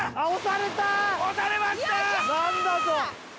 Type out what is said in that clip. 何だと？